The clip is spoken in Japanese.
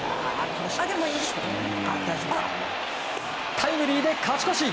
タイムリーで勝ち越し！